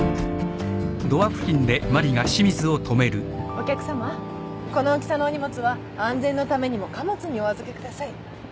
お客さまこの大きさのお荷物は安全のためにも貨物にお預けください。